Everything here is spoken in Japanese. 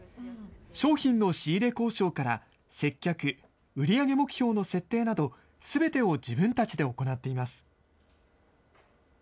商品の仕入れ交渉から接客、売り上げ目標の設定など、すべてを自分たちで行っています。